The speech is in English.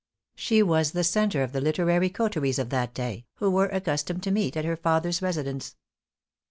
She was the centre of the literary coteries of that day, who were accustomed to meet at her father's residence.